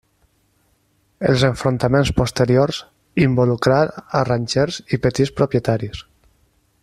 Els enfrontaments posteriors involucrar a ranxers i petits propietaris.